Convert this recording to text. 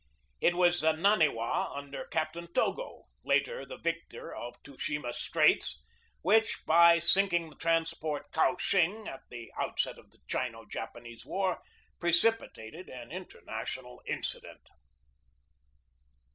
It was the Naniwa under Captain Togo, later the victor of Tsushima Straits, which, by sinking the transport Kowshing at the outset of the Chino Japan ese War, precipitated an international incident.